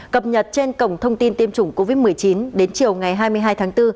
cập nhật trên cổng thông tin tiêm chủng covid một mươi chín đến chiều ngày hai mươi hai tháng bốn